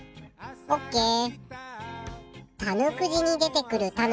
オッケー。